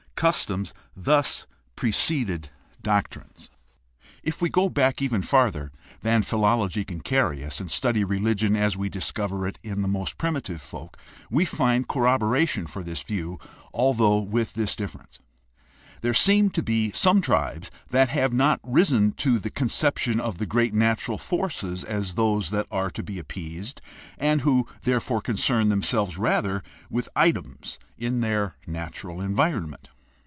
Customs thus preceded doctrines. THE HISTORICAL STUDY OF RELIGION 39 If we go even farther back than philology can carry us and study religion as we discover it in the most primitive folk, we find corroboration for this view, although with this differ ence: there seem to be some tribes that have not risen to the conception of the great natural forces as those that are to be appeased and who therefore concern themselves rather with items in their natural environment.